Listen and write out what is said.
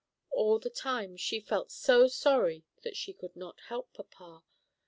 All the time she felt so sorry that she could not help papa.